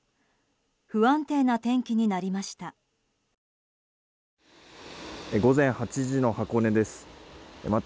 不安定な天気になりました。